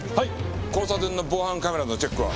交差点の防犯カメラのチェックは？